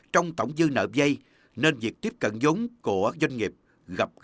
trong tổng dư nợ dây nên việc tiếp cận dốn của doanh nghiệp gặp gây khó khả năng đối ứng